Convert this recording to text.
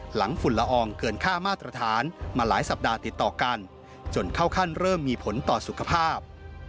ฝุ่นละอองเกินค่ามาตรฐานมาหลายสัปดาห์ติดต่อกันจนเข้าขั้นเริ่มมีผลต่อสุขภาพ